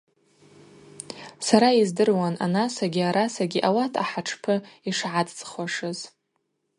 Сара йыздыруан анасагьи арасагьи ауат ахӏатшпы йшгӏацӏцӏхуашыз.